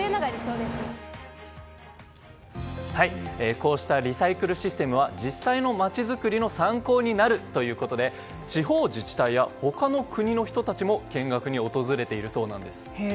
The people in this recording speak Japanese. こうしたリサイクルシステムは実際の街づくりの参考になるということで地方自治体や他の国の人たちも見学に訪れているそうなんです。